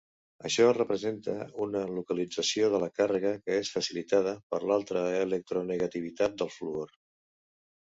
Això representa una localització de la càrrega que és facilitada per l'alta electronegativitat del fluor.